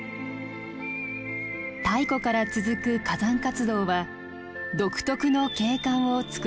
太古から続く火山活動は独特の景観を作り出しました。